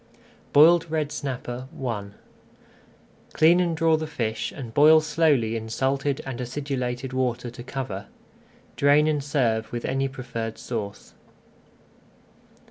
BOILED RED SNAPPER I Clean and draw the fish and boil slowly in salted and acidulated water to cover. Drain and serve with any preferred sauce.